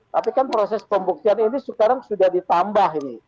tapi kan proses pembuktian ini sekarang sudah ditambah ini